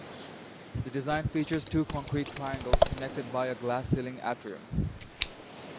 The design features two concrete triangles connected by a glass-ceiling atrium.